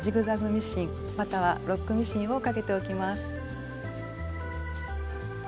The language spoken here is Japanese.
ミシンまたはロックミシンをかけておきます。